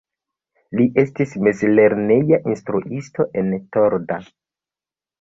Li estis mezlerneja instruisto en Torda.